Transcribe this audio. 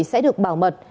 sẽ được bảo mật